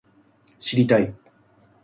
知りたい